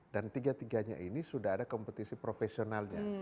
dan tiga tiganya ini sudah ada kompetisi profesionalnya